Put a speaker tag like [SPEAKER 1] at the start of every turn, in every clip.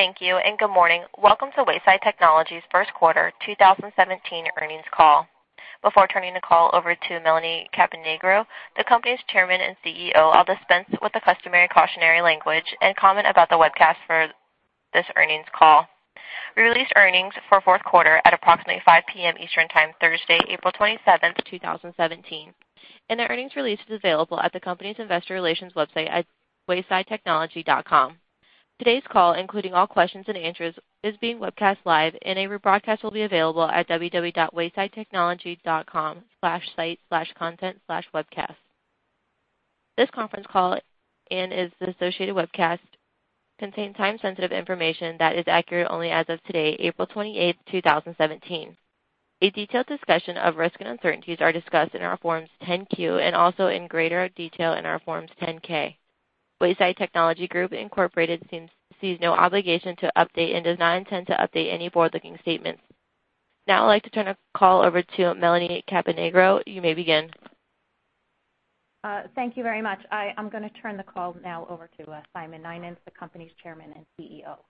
[SPEAKER 1] Thank you, good morning. Welcome to Wayside Technology's first quarter 2017 earnings call. Before turning the call over to Melanie Caponigro, the company's Chairman and Chief Executive Officer, I'll dispense with the customary cautionary language and comment about the webcast for this earnings call. We released earnings for fourth quarter at approximately 5:00 P.M. Eastern Time, Thursday, April 27, 2017. The earnings release is available at the company's investor relations website at waysidetechnology.com. Today's call, including all questions and answers, is being webcast live and a rebroadcast will be available at www.waysidetechnology.com/site/content/webcasts. This conference call and its associated webcast contain time-sensitive information that is accurate only as of today, April 28, 2017. A detailed discussion of risks and uncertainties are discussed in our Forms 10-Q and also in greater detail in our Forms 10-K. Wayside Technology Group, Inc. sees no obligation to update and does not intend to update any forward-looking statements. I'd like to turn the call over to Melanie Caponigro. You may begin.
[SPEAKER 2] Thank you very much. I'm going to turn the call now over to Simon Nynens, the company's Chairman and Chief Executive Officer.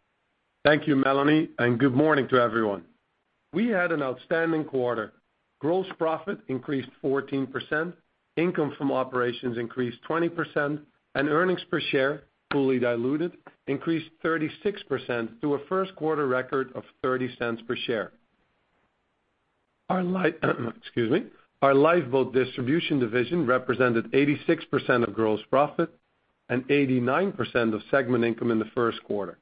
[SPEAKER 3] Thank you, Melanie, good morning to everyone. We had an outstanding quarter. Gross profit increased 14%, income from operations increased 20%, earnings per share, fully diluted, increased 36% to a first quarter record of $0.30 per share. Our Lifeboat Distribution division represented 86% of gross profit and 89% of segment income in the first quarter.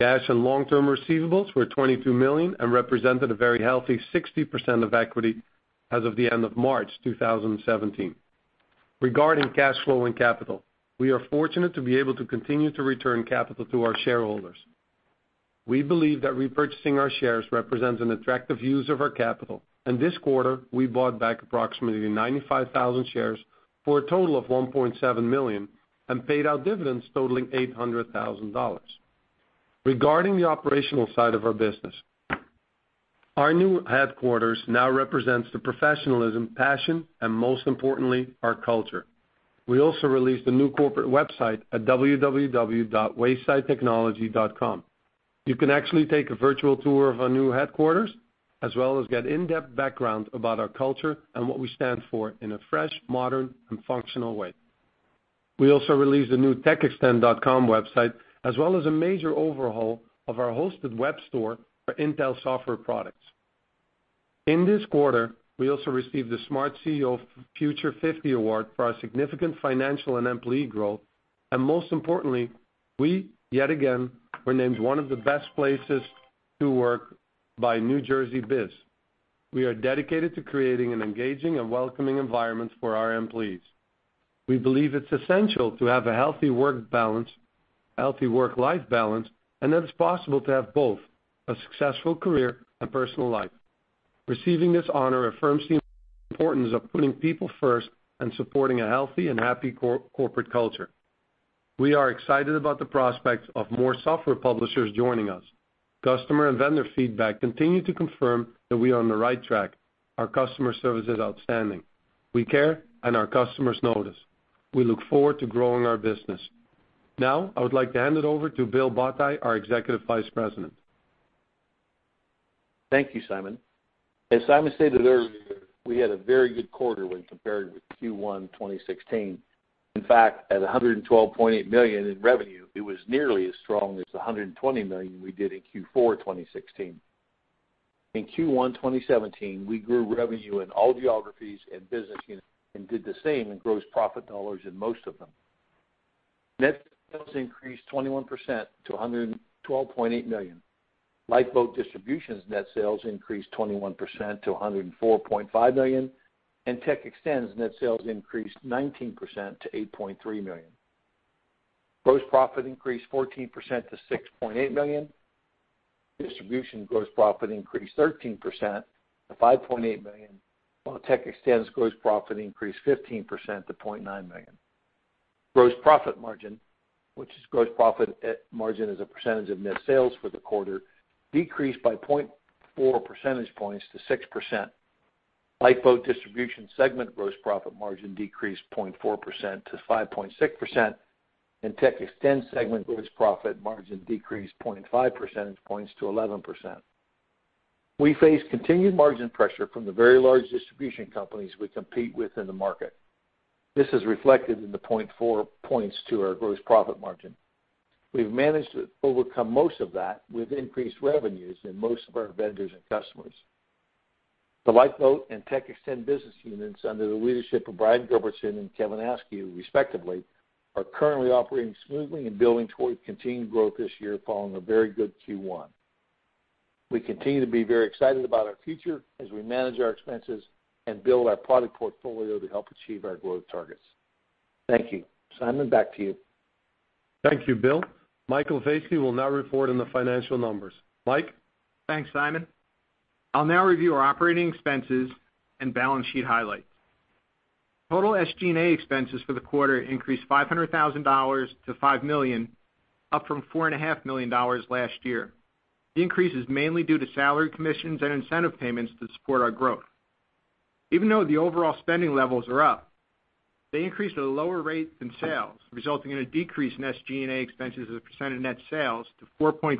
[SPEAKER 3] Cash and long-term receivables were $22 million and represented a very healthy 60% of equity as of the end of March 2017. Regarding cash flow and capital, we are fortunate to be able to continue to return capital to our shareholders. We believe that repurchasing our shares represents an attractive use of our capital, this quarter, we bought back approximately 95,000 shares for a total of $1.7 million and paid out dividends totaling $800,000. Regarding the operational side of our business, our new headquarters now represents the professionalism, passion, and most importantly, our culture. We also released a new corporate website at www.waysidetechnology.com. You can actually take a virtual tour of our new headquarters, as well as get in-depth background about our culture and what we stand for in a fresh, modern, and functional way. We also released a new techxtend.com website, as well as a major overhaul of our hosted web store for Intel software products. In this quarter, we also received the SmartCEO Future 50 Award for our significant financial and employee growth, and most importantly, we, yet again, were named one of the best places to work by NJBIZ. We are dedicated to creating an engaging and welcoming environment for our employees. We believe it's essential to have a healthy work-life balance, and that it's possible to have both a successful career and personal life. Receiving this honor affirms the importance of putting people first and supporting a healthy and happy corporate culture. We are excited about the prospect of more software publishers joining us. Customer and vendor feedback continue to confirm that we are on the right track. Our customer service is outstanding. We care, and our customers notice. We look forward to growing our business. Now, I would like to hand it over to Bill Botti, our Executive Vice President.
[SPEAKER 4] Thank you, Simon. As Simon stated earlier, we had a very good quarter when compared with Q1 2016. In fact, at $112.8 million in revenue, it was nearly as strong as the $120 million we did in Q4 2016. In Q1 2017, we grew revenue in all geographies and business units and did the same in gross profit dollars in most of them. Net sales increased 21% to $112.8 million. Lifeboat Distribution's net sales increased 21% to $104.5 million, and TechXtend's net sales increased 19% to $8.3 million. Gross profit increased 14% to $6.8 million. Distribution gross profit increased 13% to $5.8 million, while TechXtend's gross profit increased 15% to $0.9 million. Gross profit margin, which is gross profit margin as a percentage of net sales for the quarter, decreased by 0.4 percentage points to 6%. Lifeboat Distribution segment gross profit margin decreased 0.4% to 5.6%, and TechXtend segment gross profit margin decreased 0.5 percentage points to 11%. We face continued margin pressure from the very large distribution companies we compete with in the market. This is reflected in the 0.4 points to our gross profit margin. We've managed to overcome most of that with increased revenues in most of our vendors and customers. The Lifeboat and TechXtend business units, under the leadership of Brian Gilbertson and Kevin Askew, respectively, are currently operating smoothly and building toward continued growth this year following a very good Q1. We continue to be very excited about our future as we manage our expenses and build our product portfolio to help achieve our growth targets. Thank you. Simon, back to you.
[SPEAKER 3] Thank you, Bill. Mike Lovas will now report on the financial numbers. Mike?
[SPEAKER 5] Thanks, Simon. I'll now review our operating expenses and balance sheet highlights. Total SG&A expenses for the quarter increased $500,000 to $5 million, up from $4.5 million last year. The increase is mainly due to salary commissions and incentive payments that support our growth. Even though the overall spending levels are up, they increased at a lower rate than sales, resulting in a decrease in SG&A expenses as a percent of net sales to 4.4%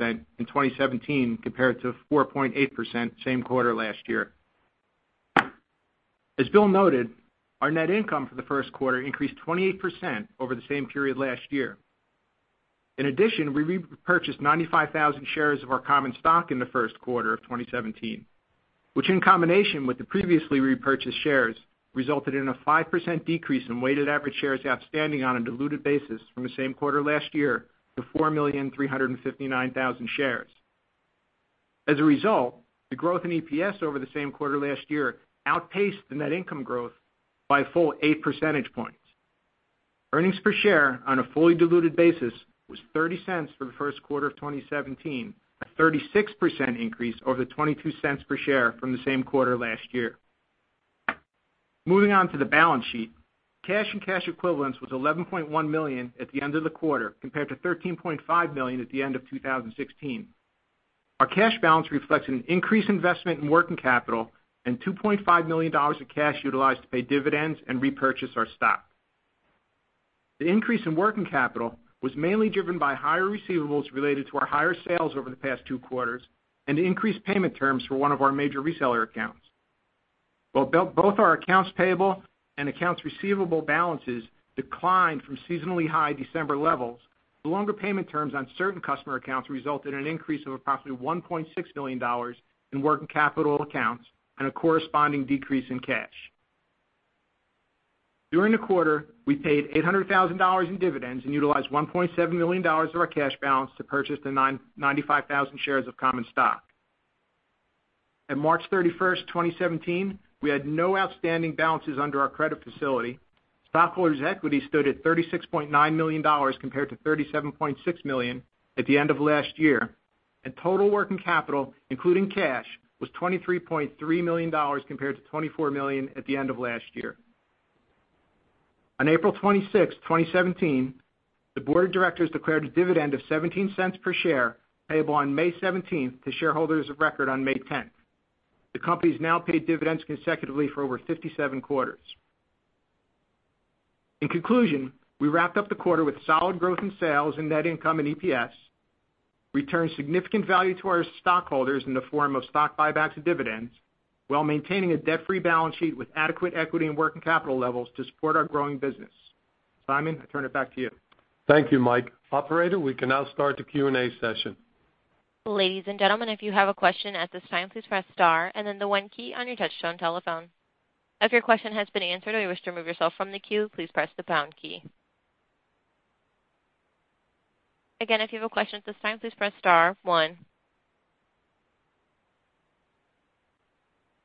[SPEAKER 5] in 2017 compared to 4.8% same quarter last year. As Bill noted, our net income for the first quarter increased 28% over the same period last year. In addition, we repurchased 95,000 shares of our common stock in the first quarter of 2017, which in combination with the previously repurchased shares, resulted in a 5% decrease in weighted average shares outstanding on a diluted basis from the same quarter last year to 4,359,000 shares. As a result, the growth in EPS over the same quarter last year outpaced the net income growth by a full eight percentage points. Earnings per share on a fully diluted basis was $0.30 for the first quarter of 2017, a 36% increase over the $0.22 per share from the same quarter last year. Moving on to the balance sheet. Cash and cash equivalents was $11.1 million at the end of the quarter, compared to $13.5 million at the end of 2016. Our cash balance reflects an increased investment in working capital and $2.5 million of cash utilized to pay dividends and repurchase our stock. The increase in working capital was mainly driven by higher receivables related to our higher sales over the past two quarters and the increased payment terms for one of our major reseller accounts.
[SPEAKER 2] While both our accounts payable and accounts receivable balances declined from seasonally high December levels, the longer payment terms on certain customer accounts result in an increase of approximately $1.6 million in working capital accounts and a corresponding decrease in cash. During the quarter, we paid $800,000 in dividends and utilized $1.7 million of our cash balance to purchase the 95,000 shares of common stock. At March 31st, 2017, we had no outstanding balances under our credit facility. Stockholders' equity stood at $36.9 million compared to $37.6 million at the end of last year, and total working capital, including cash, was $23.3 million compared to $24 million at the end of last year. On April 26th, 2017, the board of directors declared a dividend of $0.17 per share payable on May 17th to shareholders of record on May 10th. The company's now paid dividends consecutively for over 57 quarters. In conclusion, we wrapped up the quarter with solid growth in sales and net income and EPS, returned significant value to our stockholders in the form of stock buybacks and dividends, while maintaining a debt-free balance sheet with adequate equity and working capital levels to support our growing business. Simon, I turn it back to you.
[SPEAKER 3] Thank you, Mike. Operator, we can now start the Q&A session.
[SPEAKER 1] Ladies and gentlemen, if you have a question at this time, please press star and then the one key on your touch-tone telephone. If your question has been answered or you wish to remove yourself from the queue, please press the pound key. Again, if you have a question at this time, please press star one.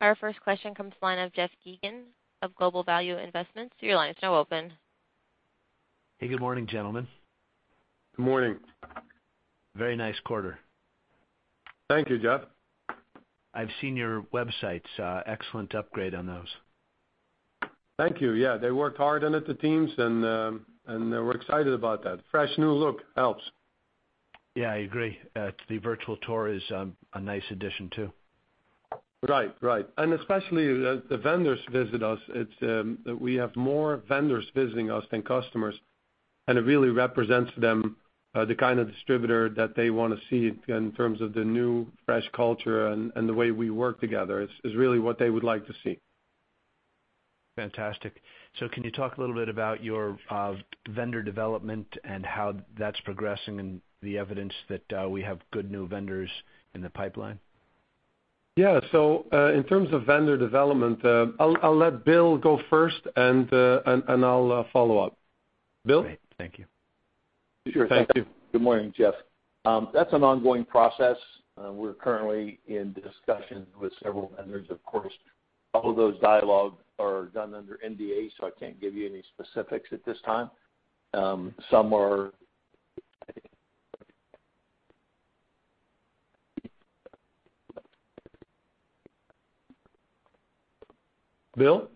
[SPEAKER 1] Our first question comes to the line of Jeff Geygan of Global Value Investments. Your line is now open.
[SPEAKER 6] Hey, good morning, gentlemen.
[SPEAKER 3] Good morning.
[SPEAKER 6] Very nice quarter.
[SPEAKER 3] Thank you, Jeff.
[SPEAKER 6] I've seen your websites. Excellent upgrade on those.
[SPEAKER 3] Thank you. Yeah. They worked hard on it, the teams, we're excited about that. Fresh new look helps.
[SPEAKER 6] Yeah, I agree. The virtual tour is a nice addition, too.
[SPEAKER 3] Right. Especially the vendors visit us. We have more vendors visiting us than customers, and it really represents to them, the kind of distributor that they want to see in terms of the new, fresh culture and the way we work together. It's really what they would like to see.
[SPEAKER 6] Fantastic. Can you talk a little bit about your vendor development and how that's progressing and the evidence that we have good new vendors in the pipeline?
[SPEAKER 3] Yeah. In terms of vendor development, I'll let Bill go first, and I'll follow up. Bill?
[SPEAKER 6] Great. Thank you.
[SPEAKER 3] Thank you.
[SPEAKER 4] Sure. Good morning, Jeff. That's an ongoing process. We're currently in discussions with several vendors. Of course, all of those dialogues are done under NDA, so I can't give you any specifics at this time. Some are
[SPEAKER 3] Bill?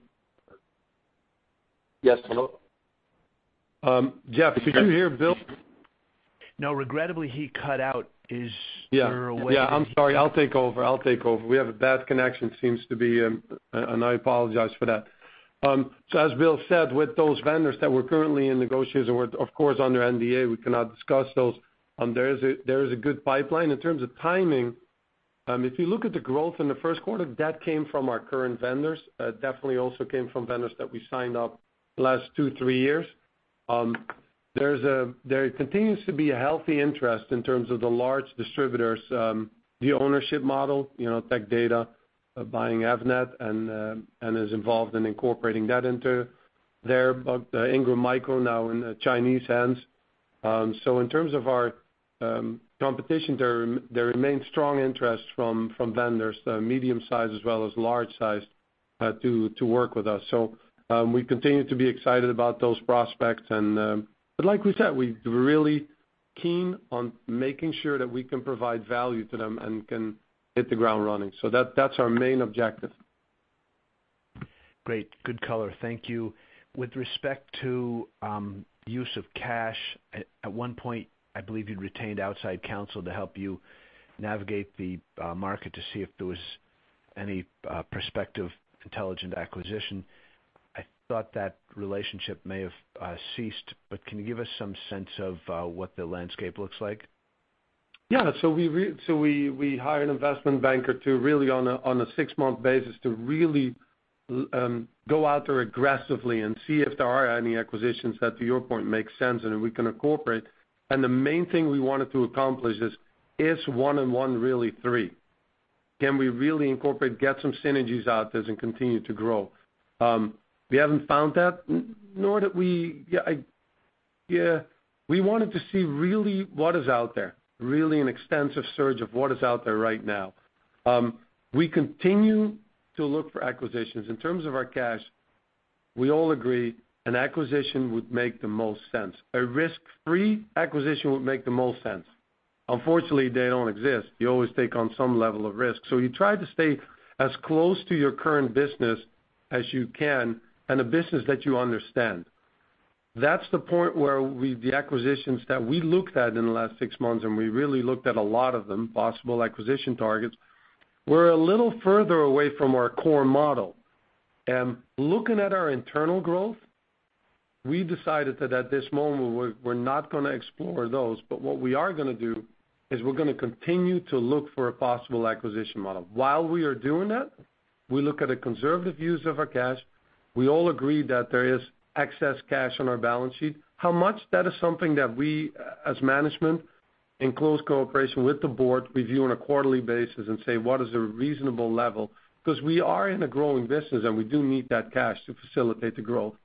[SPEAKER 4] Yes. Hello?
[SPEAKER 3] Jeff, could you hear Bill?
[SPEAKER 6] No, regrettably, he cut out. Is there a way-
[SPEAKER 3] Yeah. I'm sorry. I'll take over. We have a bad connection, seems to be, and I apologize for that. As Bill said, with those vendors that we're currently in negotiation with, of course, under NDA, we cannot discuss those. There is a good pipeline. In terms of timing, if you look at the growth in the first quarter, that came from our current vendors. Definitely also came from vendors that we signed up the last two, three years. There continues to be a healthy interest in terms of the large distributors, the ownership model, Tech Data buying Avnet, and is involved in incorporating that into there. Ingram Micro now in Chinese hands. In terms of our competition, there remains strong interest from vendors, medium-sized as well as large-sized, to work with us. We continue to be excited about those prospects. Like we said, we're really keen on making sure that we can provide value to them and can hit the ground running. That's our main objective.
[SPEAKER 6] Great. Good color. Thank you. With respect to use of cash, at one point, I believe you'd retained outside counsel to help you navigate the market to see if there was any prospective intelligent acquisition. I thought that relationship may have ceased, can you give us some sense of what the landscape looks like?
[SPEAKER 3] Yeah. We hired an investment banker to really, on a six-month basis, to really go out there aggressively and see if there are any acquisitions that, to your point, make sense and that we can incorporate. The main thing we wanted to accomplish is one and one really three? Can we really incorporate, get some synergies out there, and continue to grow? We haven't found that. We wanted to see really what is out there. Really an extensive search of what is out there right now. We continue to look for acquisitions. In terms of our cash, we all agree an acquisition would make the most sense. A risk-free acquisition would make the most sense. Unfortunately, they don't exist. You always take on some level of risk. You try to stay as close to your current business as you can and a business that you understand. That's the point where the acquisitions that we looked at in the last six months, and we really looked at a lot of them, possible acquisition targets, were a little further away from our core model. Looking at our internal growth, we decided that at this moment, we're not going to explore those. What we are going to do is we're going to continue to look for a possible acquisition model. While we are doing that, we look at a conservative use of our cash. We all agree that there is excess cash on our balance sheet. How much? That is something that we, as management, in close cooperation with the board, review on a quarterly basis and say, what is a reasonable level? We are in a growing business, and we do need that cash to facilitate the growth.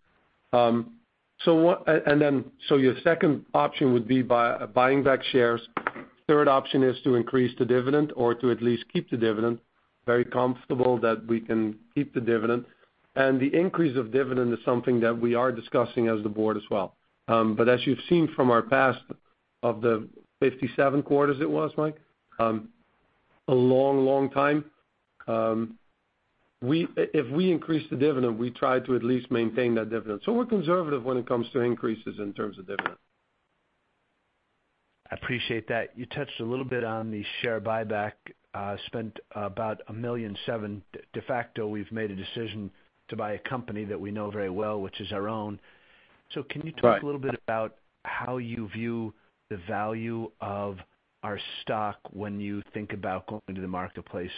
[SPEAKER 3] Your second option would be buying back shares. Third option is to increase the dividend or to at least keep the dividend. Very comfortable that we can keep the dividend. The increase of dividend is something that we are discussing as the board as well. As you've seen from our past, of the 57 quarters it was, Mike? A long, long time. If we increase the dividend, we try to at least maintain that dividend. We're conservative when it comes to increases in terms of dividend.
[SPEAKER 6] I appreciate that. You touched a little bit on the share buyback. Spent about $1.7 million. De facto, we've made a decision to buy a company that we know very well, which is our own.
[SPEAKER 3] Right.
[SPEAKER 6] Can you talk a little bit about how you view the value of our stock when you think about going to the marketplace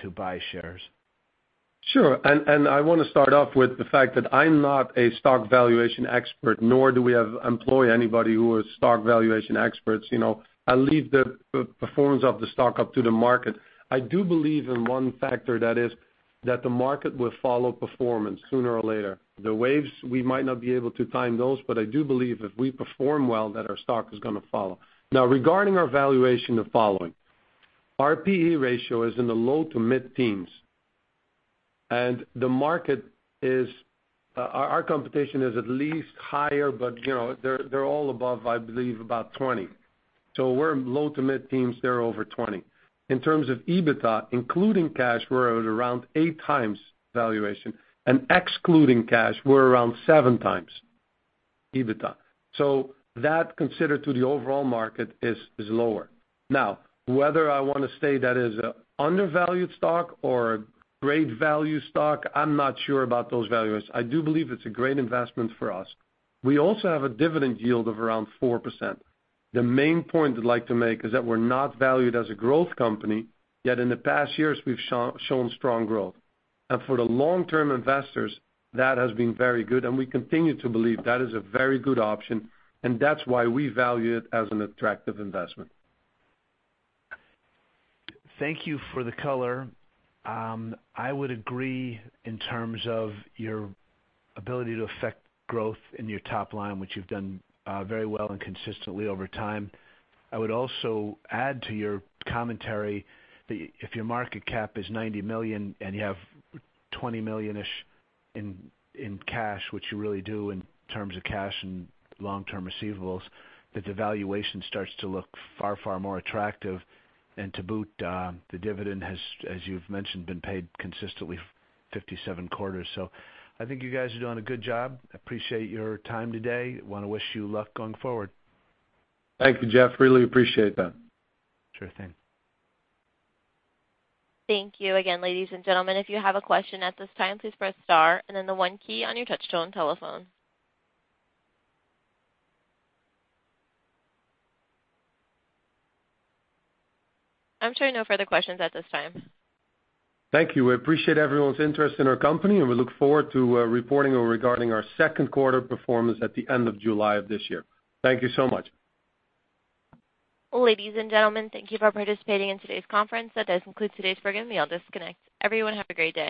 [SPEAKER 6] to buy shares?
[SPEAKER 3] Sure. I want to start off with the fact that I'm not a stock valuation expert, nor do we employ anybody who are stock valuation experts. I leave the performance of the stock up to the market. I do believe in one factor, that is that the market will follow performance sooner or later. The waves, we might not be able to time those, but I do believe if we perform well, that our stock is going to follow. Now, regarding our valuation, the following. Our P/E ratio is in the low to mid-teens, and the market is Our competition is at least higher, but they're all above, I believe, about 20. We're low to mid-teens. They're over 20. In terms of EBITDA, including cash, we're at around 8 times valuation, and excluding cash, we're around 7 times EBITDA. That considered to the overall market is lower. Now, whether I want to say that is an undervalued stock or a great value stock, I'm not sure about those values. I do believe it's a great investment for us. We also have a dividend yield of around 4%. The main point I'd like to make is that we're not valued as a growth company, yet in the past years, we've shown strong growth. For the long-term investors, that has been very good, and we continue to believe that is a very good option, and that's why we value it as an attractive investment.
[SPEAKER 6] Thank you for the color. I would agree in terms of your ability to affect growth in your top line, which you've done very well and consistently over time. I would also add to your commentary that if your market cap is $90 million and you have $20 million-ish in cash, which you really do in terms of cash and long-term receivables, that the valuation starts to look far, far more attractive. To boot, the dividend has, as you've mentioned, been paid consistently for 57 quarters. I think you guys are doing a good job. I appreciate your time today. I want to wish you luck going forward.
[SPEAKER 3] Thank you, Jeff. Really appreciate that.
[SPEAKER 6] Sure thing.
[SPEAKER 1] Thank you again, ladies and gentlemen. If you have a question at this time, please press star and then the one key on your touch-tone telephone. I'm showing no further questions at this time.
[SPEAKER 3] Thank you. We appreciate everyone's interest in our company, and we look forward to reporting regarding our second quarter performance at the end of July of this year. Thank you so much.
[SPEAKER 1] Ladies and gentlemen, thank you for participating in today's conference. That does conclude today's program. You may disconnect. Everyone, have a great day.